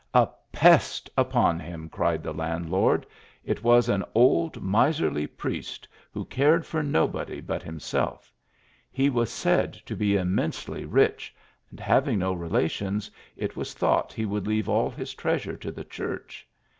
"" A pest upon him !" cried the landlord. " It was an old miserly priest, who cared for nobody but him 82 THE ALHAMBRA. self. lie was said to be immensely rich, "and, hav ing no relations, it was thought he would leave all his treasure to the church.